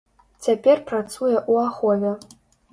Цяпер працуе ў ахове.